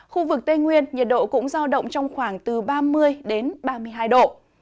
khu vực tây nguyên nhiệt độ cũng giao động trong khoảng từ ba mươi đến ba mươi hai độ